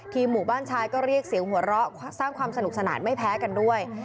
หมู่บ้านชายก็เรียกเสียงหัวเราะสร้างความสนุกสนานไม่แพ้กันด้วย